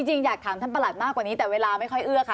จริงอยากถามท่านประหลัดมากกว่านี้แต่เวลาไม่ค่อยเอื้อค่ะ